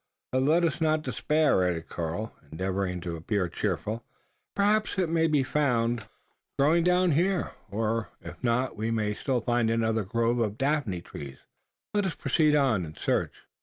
But let us not despair," added Karl, endeavouring to appear cheerful; "perhaps it may be found growing down here; or, if not, we may still find another grove of the daphne trees. Let us proceed on and search!"